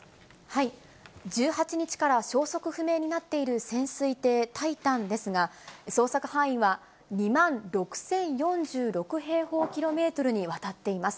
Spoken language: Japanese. １８日から消息不明になっている潜水艇、タイタンですが、捜索範囲は２万６０４６平方キロメートルにわたっています。